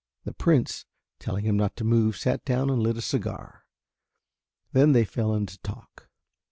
The Prince, telling him not to move, sat down and lit a cigar. Then they fell into talk.